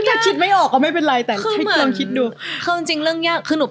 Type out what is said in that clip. ถ้าคิดไม่ออกก็ไม่เป็นไรแต่ให้คิดดู